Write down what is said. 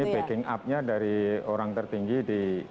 backing up nya dari orang tertinggi di